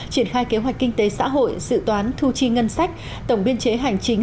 triển khai kế hoạch kinh tế xã hội dự toán thu chi ngân sách tổng biên chế hành chính